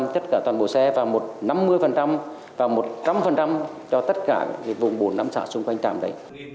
ba mươi tất cả toàn bộ xe và năm mươi và một trăm linh cho tất cả vùng bốn năm xã xung quanh trạm đấy